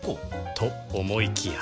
と思いきや